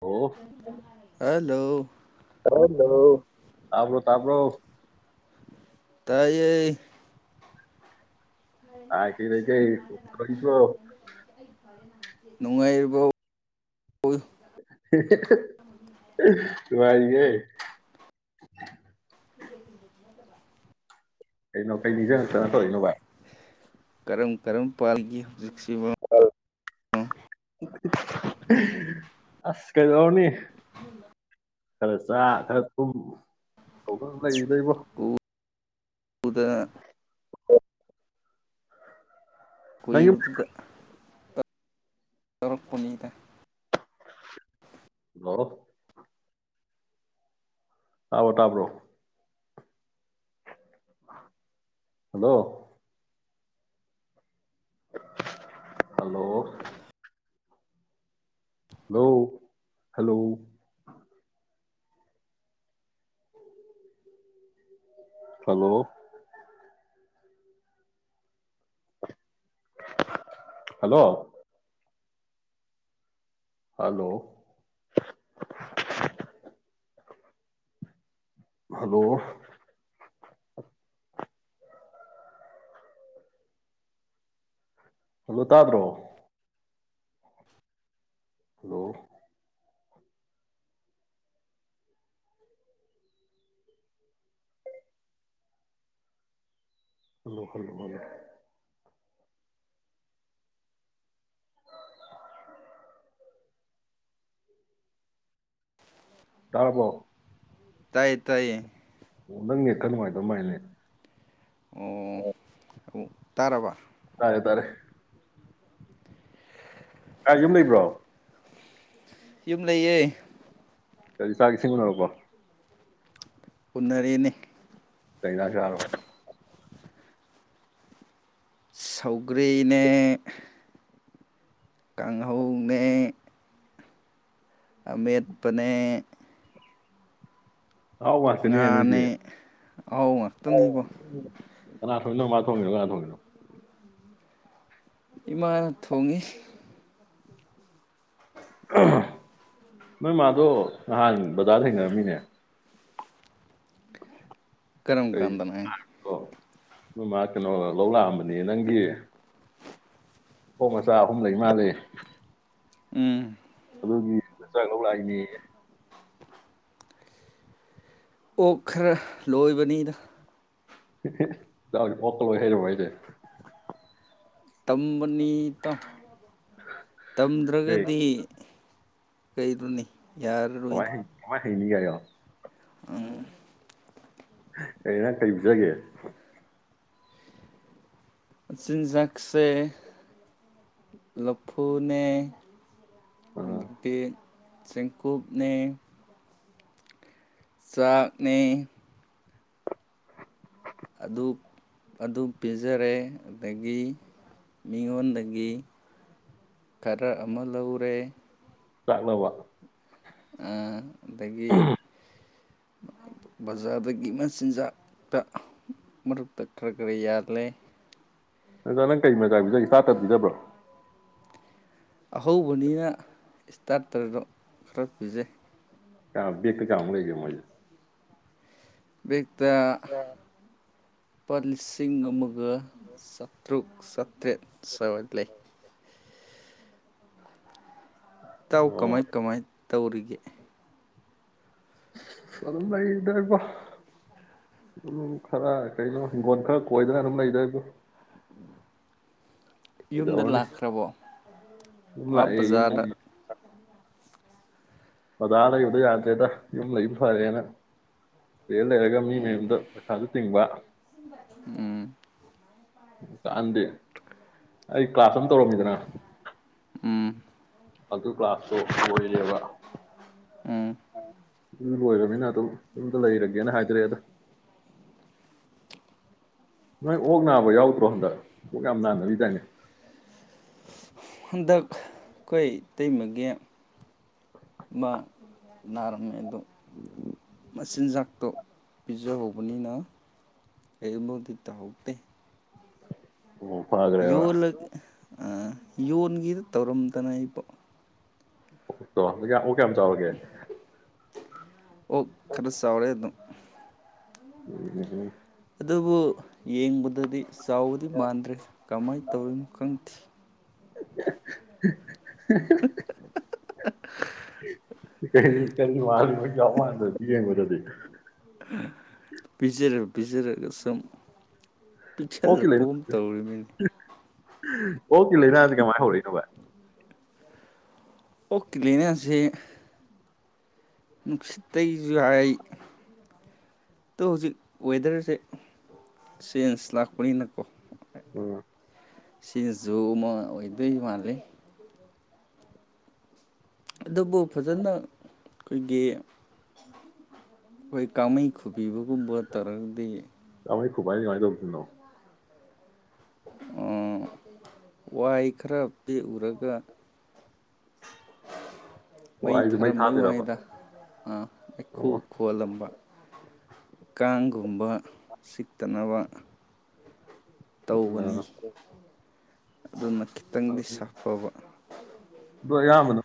ꯑꯣ ꯍꯂꯣ ꯇꯕ꯭ꯔꯣ ꯇꯕ꯭ꯔꯣ ꯇꯥꯏ ꯑ ꯀ ꯂꯩ ꯅꯨꯡꯉꯥꯏꯔꯤꯕ ꯋꯥꯏꯒ ꯀꯩꯅꯣ ꯀꯩꯅꯤꯁꯤꯛꯇꯅ ꯅꯠꯇꯧꯔꯤꯩꯅꯣꯚꯥꯏ ꯀꯔꯝ ꯀꯔꯝ ꯄꯥꯜꯂꯤꯒꯦ ꯖꯤꯛꯁꯤꯕ ꯑꯁ ꯀꯩꯗꯧꯔꯅꯤ ꯈꯔ ꯆꯥ ꯈꯔ ꯊꯨꯝ ꯇ ꯂꯩꯔꯤꯗꯣꯏꯕꯣ ꯎꯗ ꯍ ꯌꯨꯝ ꯀꯨꯣꯏꯗꯨꯗ ꯇꯔꯛꯄꯅꯤꯡꯗ ꯍ ꯑꯕꯣ ꯇꯥꯕ꯭ꯔꯣ hello hello hello hello hello hello hello hello hello ꯇꯥꯗ꯭ꯔꯣ ꯍꯜꯂꯣ ꯍꯜꯂꯣ ꯍꯜꯂꯣ ꯍꯜꯂꯣ ꯇꯥꯔꯕꯣ ꯇꯥꯏꯌꯦ ꯇꯥꯏꯌꯦ ꯑꯣ ꯅꯪꯅꯦꯠ ꯈꯔ ꯅꯨꯡꯉꯥꯏꯗꯕ ꯃꯥꯅꯦ ꯑꯣ ꯇꯥꯔꯕ ꯍꯥꯔꯦ ꯇꯥꯔꯦ ꯌꯨꯝ ꯂꯩꯕ꯭ꯔꯣ ꯌꯨꯝ ꯂꯩꯌꯦ ꯀꯔꯤ ꯆꯥꯛ ꯏꯁꯤꯡ ꯎꯅꯔꯕꯣ ꯎꯅꯔꯦꯅꯦ ꯀꯩ ꯖꯥꯡ ꯆꯥꯔꯕ ꯁꯧꯒ꯭ꯔꯤꯅꯦ ꯀꯥꯡꯍꯧꯅꯦ ꯑꯃꯦꯠꯄꯅꯦ ꯑꯍꯥꯎꯕ ꯉꯥꯛꯇꯅꯤꯅꯦ ꯉꯥꯅꯦ ꯑꯍꯥꯎ ꯉꯥꯛꯇꯅꯤꯕꯣ ꯀꯅꯥ ꯊꯣꯡꯉꯤ ꯅꯣꯢꯃꯥ ꯊꯣꯡꯉꯤꯔꯣ ꯀꯅꯥ ꯊꯣꯡꯉꯤꯅꯣ ꯏꯃꯥꯅ ꯊꯣꯡꯉꯤ ꯑꯍ ꯅꯣꯏꯃꯥꯗꯣ ꯅꯍꯥꯟ ꯕꯖꯥꯔꯗ ꯊꯦꯡꯅꯔꯝꯃꯤꯅꯦ ꯀꯔꯝ ꯀꯥꯟꯗꯅꯦ ꯅꯣꯢꯃꯥ ꯀꯩꯅꯣ ꯂꯧ ꯂꯥꯛꯑꯝꯕꯅꯤ ꯅꯪꯒꯤ ꯑꯣꯛ ꯃꯆꯥ ꯑꯍꯨꯝ ꯂꯩ ꯃꯥꯂꯦ ꯎꯝ ꯗꯨꯒꯤ ꯃꯆꯥꯛ ꯂꯧ ꯂꯥꯛꯏꯅꯦꯌꯦ ꯑꯣ ꯈꯔ ꯂꯣꯏꯕꯅꯤꯗ ꯍꯍ ꯏꯇꯥꯎꯖꯦ ꯑꯣꯀꯂꯣꯏ ꯍꯩꯔꯕꯣ ꯍꯥꯏꯖꯦ ꯇꯝꯕꯅꯤ ꯇꯥꯎ ꯀꯩ ꯇꯝꯗ꯭ꯔꯒꯗꯤ ꯀꯩꯗꯨꯅꯤ ꯌꯥꯔꯨꯔꯣꯢꯅꯦ ꯍꯩꯏꯅꯤ ꯌꯥꯌꯣ ꯀꯩꯅ ꯀꯔꯤ ꯄꯤꯖꯒꯦ ꯆꯤꯟꯖꯥꯛꯁꯦ ꯂꯐꯨꯅꯦ ꯑꯥ ꯗꯒꯤ ꯆꯦꯡꯀꯨꯞꯅꯦ ꯆꯥꯛꯅꯦ ꯑꯗꯨ ꯑꯗꯨ ꯄꯤꯖꯔꯦ ꯑꯗꯒꯤ ꯃꯤꯉꯣꯟꯗꯒꯤ ꯈꯔ ꯑꯃ ꯂꯧꯔꯦ ꯆꯥꯛꯂꯕ ꯑ ꯑꯗꯒꯤ ꯕꯖꯥꯔꯗꯒꯤ ꯃꯆꯤꯟꯖꯥꯛꯇ ꯃꯔꯛꯇ ꯈꯔ ꯈꯔ ꯌꯥꯜꯂꯦ ꯅꯖ ꯅꯪ ꯀꯔꯤ ꯃꯆꯥꯥ ꯄꯤꯖꯒꯦ ꯏꯇꯥꯇꯔ ꯄꯤꯖꯕ꯭ꯔꯣ ꯑꯍꯧꯕꯅꯤꯅ ꯏꯁꯇꯥꯔꯇꯔꯗꯣ ꯈꯔ ꯄꯤꯖꯩ ꯀꯀ ꯀꯃ ꯂꯩꯃ [unintelligible] ꯇ ꯂꯨꯄꯥ ꯂꯤꯁꯤꯡ ꯑꯃꯒ ꯆꯥꯇ꯭ꯔꯨꯛ ꯆꯥꯇ꯭ꯔꯦꯠ ꯁꯋꯥ ꯂꯩ ꯇꯥꯎ ꯑꯣ ꯀꯃꯥꯏ ꯀꯃꯥꯏ ꯇꯧꯔꯤꯒꯦ ꯌꯦ ꯑꯗꯨꯝ ꯂꯩꯗꯣꯏꯔꯤꯕ ꯑꯗꯨꯝ ꯈꯔ ꯀꯩꯅꯣ ꯍꯤꯡꯒꯣꯜ ꯈꯔ ꯀꯣꯏꯗꯅ ꯑꯗꯨꯝ ꯂꯩꯗꯣꯏꯔꯤꯕ ꯌꯨꯝꯗ ꯀꯩꯗꯧꯔꯨꯅꯤ ꯂꯥꯛꯈ꯭ꯔꯕꯣ ꯌꯨꯝ ꯑ ꯂꯥꯛꯑꯦ ꯌꯨꯝ ꯕꯖꯥꯔꯗ ꯑꯣꯖꯥ ꯂꯩꯕꯗ ꯌꯥꯗꯦꯗ ꯌꯨꯝ ꯂꯩꯝ ꯐꯔꯦꯅ ꯂꯩꯔ ꯂꯩꯔꯒ ꯃꯤ ꯃꯌꯥꯝꯗ ꯄꯩꯁꯥꯁꯨ [unintelligible] ꯎꯝ ꯀꯛꯍꯟꯗꯦ ꯑꯩ ꯀ꯭ꯂꯥꯁ ꯑꯃ ꯇꯧꯔꯝꯃꯤꯗꯅ ꯎꯝ ꯑꯗꯨ ꯀ꯭ꯂꯥꯁꯇꯣ ꯂꯣꯏꯔꯦꯕ ꯎꯝ ꯑꯗꯨ ꯂꯣꯏꯔꯕꯅꯤꯅ ꯑꯗꯨꯝ ꯌꯨꯝꯗ ꯂꯩꯔꯒꯦꯅ ꯍꯥꯏꯖꯔꯛꯑꯦꯗ ꯅꯣꯏ ꯑꯣꯛ ꯅꯥꯕ ꯌꯥꯎꯗ꯭ꯔꯣ ꯍꯟꯗꯛ ꯑꯣꯛ ꯌꯥꯝ ꯅꯥꯟꯅꯕꯤꯗꯥꯅꯦ ꯍꯟꯗꯛ ꯑꯩꯈꯣꯏ ꯏꯇꯩꯃꯒꯦ ꯃ ꯅꯥꯔꯝꯃꯦ ꯑꯗꯣ ꯃꯆꯤꯟꯖꯥꯛꯇꯣ ꯄꯤꯖꯍꯧꯕꯅꯤꯅ ꯀꯔꯤꯒꯨꯝꯕꯗꯤ ꯇꯧꯍꯧꯗꯦ ꯑꯣ ꯌ ꯐꯈ꯭ꯔꯦꯕ ꯂꯣꯏꯒ ꯑ ꯌꯣꯟꯒꯤꯗ ꯇꯧꯔꯝꯗꯅ ꯑꯩꯕꯨ ꯎꯛꯇꯣ ꯀꯝ ꯆꯕꯒꯦ ꯑꯣ ꯈꯔ ꯆꯥꯎꯥꯎꯔꯦ ꯑꯗꯨꯝ ꯎꯝ ꯎꯝ ꯎꯝ ꯑꯗꯨꯕꯨ ꯌꯦꯡꯕꯗꯗꯤ ꯆꯥꯎꯕꯗꯤ ꯃꯥꯟꯗ꯭ꯔꯦ ꯀꯃꯥꯏꯅ ꯇꯧꯔꯤꯅꯣ ꯈꯪꯗꯦ [unintelligible] ꯀ ꯀꯅꯤ ꯃꯥꯔ ꯃ ꯀ ꯃꯥꯗ ꯌꯦꯦꯕꯗꯨꯗꯤ ꯕꯤꯆꯔ ꯕꯤꯔꯔꯤꯒꯁꯨꯝ ꯄꯤꯛꯁꯤꯜꯂꯛꯄꯒꯨꯝ ꯇꯧꯔꯤꯕꯃꯤꯅꯤ ꯎꯝ ꯑꯣ ꯀꯦ ꯂꯥꯏꯅꯥꯗꯤ ꯀꯃꯥꯏ ꯍꯧꯔꯛꯏꯅꯕ ꯑꯣꯀꯤ ꯂꯩꯅꯦꯁꯦ ꯅꯨꯡꯁꯤꯠꯇꯒꯤꯁꯨ ꯍꯥꯏ ꯑꯗꯣ ꯍꯧꯖꯤꯛ ꯋꯦꯗꯔꯁꯦ ꯆꯦꯟꯖ ꯂꯥꯛꯄꯅꯤꯅꯀꯣ ꯎꯝ ꯁꯤꯖꯨ ꯑꯃ ꯑꯣꯏꯗꯣꯢ ꯃꯥꯂꯤ ꯑꯗꯨꯕꯨ ꯐꯖꯅ ꯑꯩꯈꯣꯏꯒꯤ ꯑꯩꯈꯣꯏ ꯀꯥꯃꯩ ꯈꯨꯕꯤꯕꯒꯨꯝꯕ ꯇꯧꯔꯒꯗꯤ ꯀꯥꯡꯃꯩ ꯈꯨꯨꯕꯥꯥ ꯍꯥꯢꯖꯦ ꯀꯃꯥꯢ ꯇꯧꯗꯣꯢꯅꯣ ꯋꯥꯏ ꯈꯔ ꯄꯦꯎꯔꯒ ꯑꯣ ꯃꯩ ꯑꯩꯁꯨ ꯊꯥꯔꯝꯕꯩ ꯊꯥꯗꯣꯏꯔꯕ ꯋꯥꯅꯤꯗ ꯃꯩꯈꯨ ꯑꯣ ꯈꯨꯍꯜꯂꯝꯕ ꯀꯥꯡꯒꯨꯝꯕ ꯁꯤꯛꯇꯅꯕ ꯑ ꯑꯗꯨꯅ ꯈꯤꯇꯪꯗꯤ ꯁꯥꯐꯕ ꯑꯗꯣ ꯑꯌꯥꯝꯕꯅ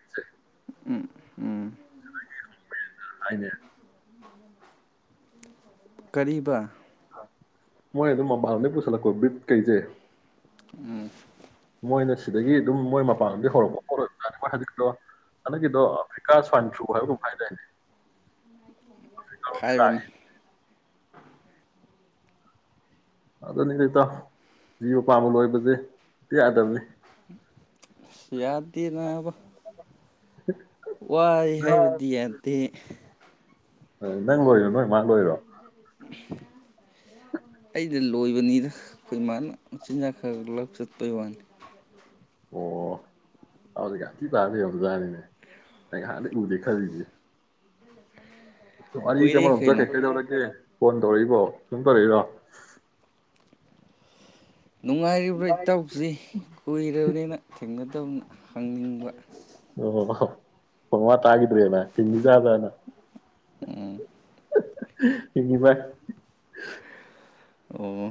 [inaudible] ꯎꯝ ꯎꯝ ꯍꯥꯏꯅꯦ ꯀꯔꯤꯕ ꯃꯣꯏ ꯑꯗꯨꯝ ꯃꯕꯥꯂꯝꯗꯩ ꯄꯨꯁꯜꯂꯛꯄ ꯕ꯭ꯔꯤꯠ ꯀꯩꯁꯦ ꯎꯝ ꯃꯣꯏꯅ ꯁꯤꯗꯒꯤ ꯑꯗꯨꯝ ꯃꯣꯏ ꯃꯄꯥꯟꯗꯒꯤ ꯍꯧꯔꯛꯄ ꯄꯣꯠ ꯑꯣꯢꯕꯖꯥꯠꯅꯤ ꯃꯣꯏ ꯍꯟꯗꯛꯀꯤꯗꯣ ꯍꯟꯗꯛꯀꯤꯗꯣ ꯑꯐ꯭ꯔꯤꯀꯥ ꯁ꯭ꯋꯥꯏꯟ ꯐ꯭ꯂꯨ ꯍꯥꯏꯕꯒꯨꯝ ꯍꯥꯏꯗꯥꯢꯅꯦ ꯍꯥꯏꯕꯅꯤ ꯑꯗꯨꯅꯤꯗ ꯏꯇꯥꯎ ꯖꯤꯕ ꯄꯥꯟꯕꯥ ꯂꯣꯏꯕꯁꯦ ꯍꯦꯛꯇ ꯌꯥꯗꯕꯅꯤ ꯌꯥꯗꯦ ꯅꯥꯕ ꯋꯢ ꯍꯥꯏꯕꯗꯤ ꯌꯥꯗꯦ ꯅꯪ ꯂꯣꯏꯔꯤꯔꯣ ꯅꯣꯏ ꯃꯥꯥꯡ ꯂꯣꯏꯔꯣ ꯑꯩꯗ ꯂꯣꯏꯕꯅꯤꯅ ꯑꯩꯈꯣꯏ ꯏꯃꯥꯅ ꯆꯤꯟꯖꯥꯛ ꯈꯔ ꯂꯧ ꯆꯠꯄꯩ ꯋꯥꯅꯤ ꯑꯣ ꯑꯗꯨꯗꯤ ꯒ꯭ꯌꯥꯟ ꯊꯤ ꯇꯥ ꯂꯩꯔꯝꯕꯖꯥꯠꯅꯤꯅꯦ ꯑꯩ ꯅꯍꯥꯟꯗꯩ ꯎꯗꯦ ꯈꯜꯂꯤꯅꯤ ꯋꯥꯔꯤꯖꯦ ꯀꯨꯏꯔꯦ ꯑꯃꯔꯣꯝꯗ ꯀꯩꯅꯣ ꯆꯠꯈ꯭ꯔꯦ ꯀꯩꯗꯧꯔꯒꯦ ꯐꯣꯟ ꯇꯧꯔꯛꯏꯕꯣ ꯁꯨꯝ ꯐꯔꯛꯏꯔꯣ ꯅꯨꯡꯉꯥꯏꯔꯤꯕ꯭ꯔꯥ ꯏꯇꯥꯎꯁꯤ ꯀꯨꯏꯔꯕꯅꯤꯅ ꯊꯦꯡꯅꯗꯕꯅ ꯍꯪꯅꯤꯡꯕ ꯑꯣ ꯋꯥ ꯇꯥꯒꯤꯗ꯭ꯔꯦꯅ ꯍꯤꯡꯉꯤꯖꯥꯠꯂꯅ ꯎꯝ ꯍꯤꯡꯉꯤ ꯚꯥꯏ ꯑꯣ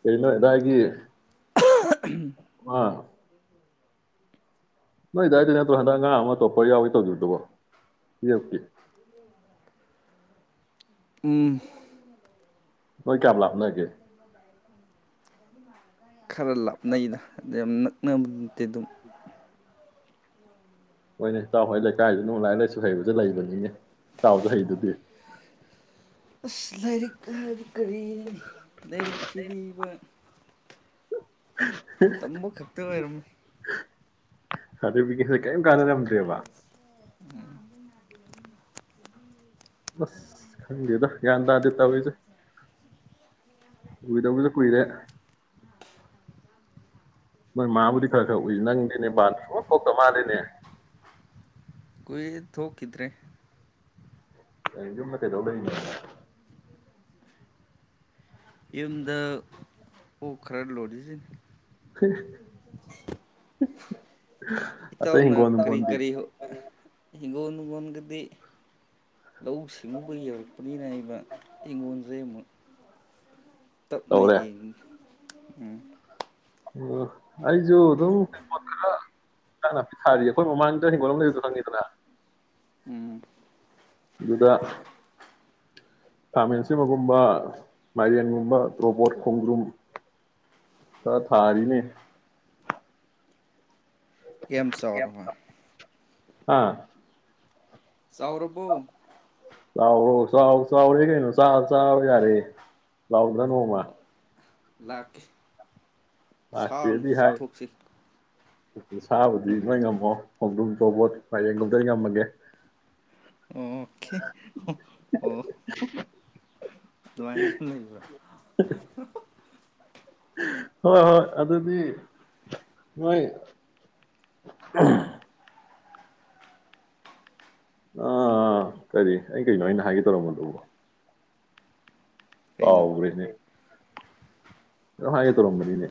ꯀꯩ ꯅꫭꯏ ꯑꯗꯥꯏꯒꯤ ꯑꯃ ꯅꯣꯏ ꯗꯥꯥꯏꯩ ꯅꯠꯇ꯭ꯔꫭ ꯍꯟꯗꯛ ꯑꯉꯥꯜ ꯑꯃ ꯊꯣꯄꯔ ꯌꯥꯎꯏ ꯇꯧꯒꯤꯕꯗꯨꯕꯣ ꯇꯨꯌꯦꯞꯀꯨ ꯎꯝ ꯅꯣꯏ ꯀꯌꯥꯝ ꯂꯥꯞꯅꯒꯦ ꯈꯔ ꯂꯥꯞꯅꯩꯗ ꯑꯗ ꯌꯥꯝ ꯅꯛꯅꯕ ꯅꯠꯇꯦ ꯗꯨꯝ ꯍꯣꯏꯅꯦ ꯏꯇꯥꯎꯍꯣꯏ ꯂꯩꯀꯥꯏꯗꯨ [unintelligible] ꯂꯥꯏꯔꯤꯛ ꯂꯥꯏꯁꯨ ꯍꯩꯕꯁꯤ ꯂꯩꯕꯅꯤꯅꯦ ꯏꯇꯥꯎꯁꯨ ꯍꯩꯗꯨꯗꯤ ꯑꯁ ꯂꯥꯏꯔꯤꯛ ꯍꯥꯏ ꯀꯔꯤꯔꯥꯅꯦ ꯅꯪ ꯁꯤꯗꯤꯕ ꯇꯝꯕ ꯈꯛꯇ ꯑꯣꯏꯔꯝ ꯃꯦ ꯁꯔꯇꯤꯐꯤꯀꯦꯠ ꯍꯣꯏ ꯀꯩꯝ ꯀꯥꯅꯔꯝꯗ꯭ꯔꯦꯕ ꯑꯁ ꯈꯪꯗꯦꯗ ꯒ꯭ꯌꯥꯟ ꯇꯥꯗꯦ ꯇꯧꯔꯤꯁꯦ ꯎꯗꯕꯁꯨ ꯀꯨꯏꯔꯦ ꯅꯣꯏ ꯃꯥꯕꯨꯗꯤ ꯈꯔ ꯈꯔ ꯎꯏ ꯅꯪꯗꯤꯅꯦ ꯄꯥꯜ ꯁꯨꯡ ꯊꯣꯛ ꯊꯣꯛꯇ ꯃꯥꯜꯂꯤꯅꯦ ꯀꯨꯏꯔꯦ ꯊꯣꯛꯈꯤꯗ꯭ꯔꯦ ꯀꯩꯟ ꯌꯨꯝꯗ ꯀꯩꯗꯧ ꯂꯩꯔꯤꯒꯦ ꯌꯨꯝꯗ ꯑꯣꯛ ꯈꯔ ꯂꯣꯏꯔꯤꯁꯤꯅꯤ ꯍꯝ ꯑꯇꯩ ꯏꯇꯥꯎꯅ ꯍꯤꯡꯒꯣꯟ ꯀꯔꯤ ꯅꯣꯒꯣꯟꯗꯤ ꯀꯔꯤ ꯍꯤꯡꯒꯣꯜ ꯂꯣꯒꯣꯜꯒꯗꯤ ꯂꯧꯎ ꯁꯤꯡꯎꯨꯕ ꯌꯧꯔꯛꯄꯅꯤꯅ ꯍꯥꯏꯕ ꯍꯤꯡꯒꯣꯜꯁꯦ ꯑꯃꯨꯛ ꯇꯞꯅ ꯇꯧꯔꯦ ꯌꯦꯡꯉꯤ ꯎꯝ ꯎꯝ ꯑꯩꯁꯨ ꯑꯗꯨꯝ ꯄꯣꯠ ꯈꯔ ꯍꯤꯟꯖꯥꯡ ꯅꯥꯄꯤ ꯊꯥꯔꯤꯌꯦ ꯑꯩꯈꯣꯏ ꯃꯃꯥꯡꯗ ꯍꯤꯡꯒꯣꯜ ꯑꯃ ꯂꯩꯕꯗꯨ ꯈꯪꯉꯤꯗꯅ ꯎꯝ ꯑꯗꯨꯗ ꯈꯥꯃꯦꯟꯁꯤꯕꯒꯨꯝꯕ ꯃꯥꯏꯔꯦꯟꯒꯨꯝꯕ ꯇ꯭ꯔꯣꯕꯣꯠ ꯈꯣꯡꯗ꯭ꯔꯨꯝ ꯈꯔ ꯊꯥꯔꯤꯅꯦ ꯀꯌꯥꯝ ꯆꯥꯎꯔꯕ ꯍꯥ ꯆꯥꯎꯔꯕꯣ ꯂꯥꯎꯔꯣ ꯆꯥꯎ ꯆꯥꯎꯔꯦ ꯀꯩꯅꯣ ꯆ ꯆꯥꯕ ꯌꯥꯔꯦ ꯂꯥꯎꯗꯅ ꯅꯣꯡꯃ ꯂꯥꯛꯀꯦ ꯁꯥ ꯂꯥꯛꯀꯦꯗꯤ ꯑꯃꯁꯨ ꯍꯥꯏ ꯆꯥꯊꯣꯛꯁꯤ ꯁꯥꯕꯨꯗꯤ ꯅꯣꯏ ꯉꯝꯃꯣ ꯈꯣꯡꯗ꯭ꯔꯨꯝ ꯇꯣꯔꯕꯣꯠ ꯃꯥꯏꯔꯦꯟ ꯒꯨꯝꯕꯗꯤ ꯑꯩꯟ ꯉꯝꯃꯒꯦ ꯑꯣꯀꯦ ꯗꯨꯃꯥꯏꯅꯁꯨ ꯂꯩꯕ꯭ꯔꯣ ꯍꯣꯏ ꯍꯣꯏ ꯑꯗꯨꯗꯤ ꯃꯣꯏ ꯑꯥ ꯀꯔꯤ ꯑꯩ ꯀꯩꯅꯣ ꯑꯩꯅ ꯍꯥꯏꯒꯦ ꯇꯧꯔꯝꯕꯗꯨꯕꯣ ꯀꯩꯅꯣ ꯀꯥꯑꯣꯒ꯭ꯔꯦꯅꯦ ꯀꯩꯅꯣꯝ ꯍꯥꯏꯒꯦ ꯇꯧꯔꯝꯕꯅꯤꯅꯦ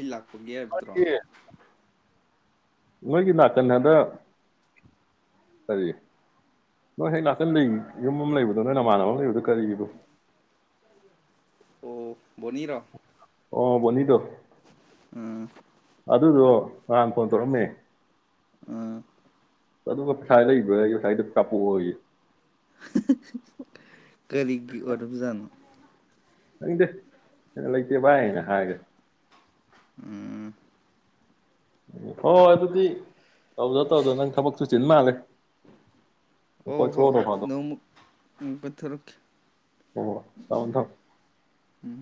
ꯏ ꯂꯥꯛ ꯄꯨꯛ ꯌꯦꯛꯇ꯭ꯔꯣ ꯑꯩꯒꯤ ꯅꯣꯏꯒꯤ ꯅꯥꯀꯟ ꯑꯗ ꯀꯔꯤ ꯅꯣꯏ ꯍꯦꯛ ꯅꯥꯛꯀꯟꯗꯩ ꯌꯨꯝ ꯑꯃ ꯂꯩꯕꯗꯣ ꯅꯣꯏ ꯅꯃꯥꯟꯅꯕ ꯑꯃ ꯂꯩꯕꯗꯨ ꯀꯔꯤ ꯑꯗꯨ ꯑꯣ ꯕꯣꯅꯤꯔꯣ ꯑꯣ ꯕꯣꯅꯤꯗꯣ ꯎꯝ ꯑꯗꯨꯗꯣ ꯅꯍꯥꯟ ꯐꯣꯟ ꯇꯧꯔꯛꯑꯝꯃꯦ ꯎꯝ ꯑꯗꯨꯒ [unintelligible] ꯉꯁꯥꯏꯗꯣ ꯀꯥꯄꯛꯑꯣꯌꯦ ꯀꯔꯤꯒꯤ ꯑꯣꯏꯔꯕꯖꯥꯠꯅꯣ ꯈꯪꯗꯦ [unintelligible] ꯂꯩꯇꯦ ꯚꯥꯏ ꯅ ꯍꯥꯏꯒ ꯎꯝ ꯍꯣꯍꯣꯏ ꯑꯗꯨꯗꯤ ꯇꯧꯖꯣ ꯇꯧꯖꯣ ꯅꯪ ꯊꯕꯛꯁꯨ ꯆꯤꯟ ꯃꯥꯜꯂꯦ ꯀꯣꯏꯊꯣꯛꯎꯔꯣ ꯍꯣꯏ ꯅꯣꯡ ꯐꯥꯗꯣꯛ ꯅꯣꯡꯃ ꯎꯝ ꯀꯣꯏꯊꯣꯔꯛꯀꯦ ꯊꯝꯣ ꯊꯝ ꯎꯝ